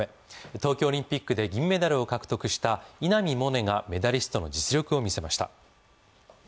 東京オリンピックで銀メダルを獲得した稲見萌寧がメダリストの実力をみせました。